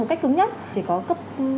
một cách cứng nhất chỉ có cấp